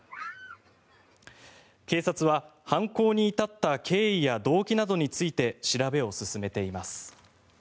警察は、犯行に至った経緯や動機などについて調べを進めています。